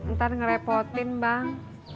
ntar ngerepotin bang